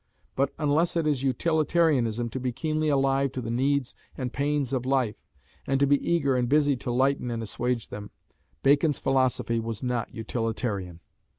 But unless it is utilitarianism to be keenly alive to the needs and pains of life, and to be eager and busy to lighten and assuage them, Bacon's philosophy was not utilitarian.